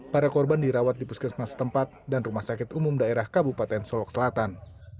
para korban dirawat di puskesmas tempat dan rumah sakit umum daerah kabupaten solok selatan